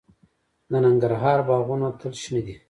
د ننګرهار باغونه تل شنه دي.